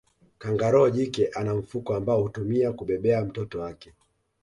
Kangaroo jike ana mfuko ambao hutumia kubebea mtoto wake